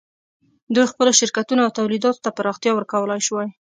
دوی خپلو شرکتونو او تولیداتو ته پراختیا ورکولای شوای.